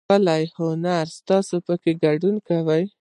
ښاغلی هنري، تاسو پکې ګډون کوئ؟